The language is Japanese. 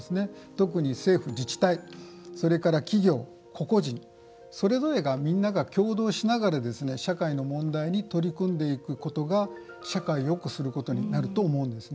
特に、政府、自治体それから企業、個々人それぞれがみんなが協同しながら社会の問題に取り組んでいくことが社会をよくすることになると思います。